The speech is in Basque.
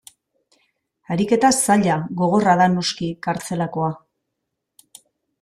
Ariketa zaila, gogorra da, noski, kartzelakoa.